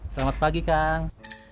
selamat pagi kang